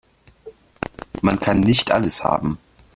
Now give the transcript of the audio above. Man kann nicht alles haben.